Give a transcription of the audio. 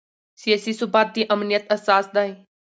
سیاسي ثبات د امنیت اساس دی